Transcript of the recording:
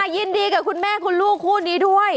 ยินดีกับคุณแม่คุณลูกคู่นี้ด้วย